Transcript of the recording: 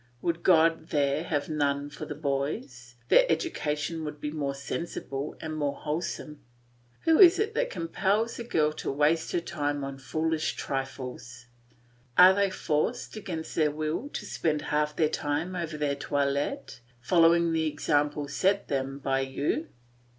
Would God there were none for the boys, their education would be more sensible and more wholesome. Who is it that compels a girl to waste her time on foolish trifles? Are they forced, against their will, to spend half their time over their toilet, following the example set them by you?